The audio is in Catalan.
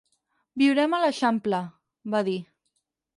Viurem a l'Eixample —va dir.